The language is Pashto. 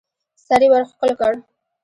سر يې ورښکل کړ.